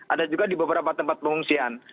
ada juga di beberapa tempat pengungsian